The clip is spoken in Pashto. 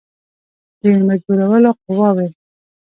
د مجبورولو قواوي.